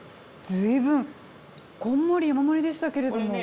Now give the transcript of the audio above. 随分こんもり山盛りでしたけれども。